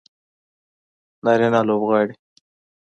نارینه لوبغاړي